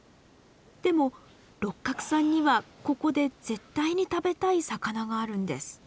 でも六角さんにはここで絶対に食べたい魚があるんです。